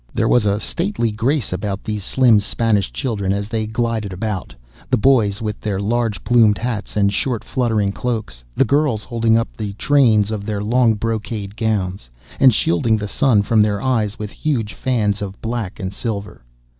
There was a stately grace about these slim Spanish children as they glided about, the boys with their large plumed hats and short fluttering cloaks, the girls holding up the trains of their long brocaded gowns, and shielding the sun from their eyes with huge fans of black and silver.